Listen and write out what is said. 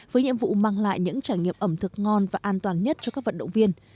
với nhiệm vụ mang lại những trải nghiệm ẩm thực ngon và an toàn nhất cho các vận động viên